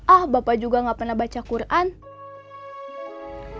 ah bapak juga gak pernah baca quran